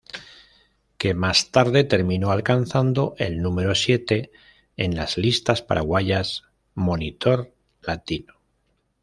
Que más tarde terminó alcanzando el número siete en las listas paraguayas Monitor Latino.